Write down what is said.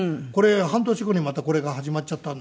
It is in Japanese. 半年後にまたこれが始まっちゃったんだけど。